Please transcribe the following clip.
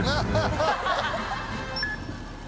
ハハハ